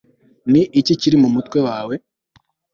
ni iki kiri mu mutwe wawe